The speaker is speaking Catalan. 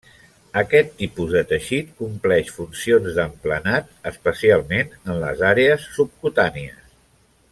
Aquest tipus de teixit compleix funcions d'emplenat, especialment en les àrees subcutànies.